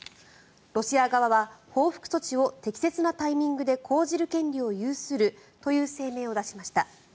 ロシア側は報復措置を適切なタイミングで講じる権利を有するという声明を出しました。